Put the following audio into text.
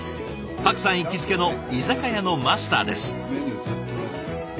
パクさん行きつけの居酒屋のマスターです。